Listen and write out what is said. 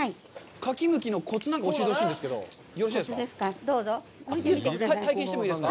カキむきのコツなんか教えてほしいんですけど、よろしいですか？